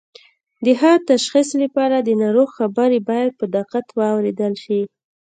د ښه تشخیص لپاره د ناروغ خبرې باید په دقت واوریدل شي